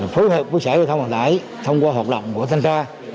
phối hợp với xã hội thông vận tải thông qua hoạt động của thanh tra